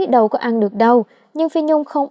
đâu có ăn được đâu nhưng phi nhung